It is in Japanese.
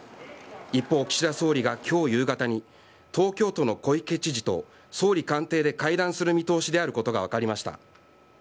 一方、岸田総理が今日夕方に東京都の小池知事と総理官邸で会談する見通しとなることが分かりました。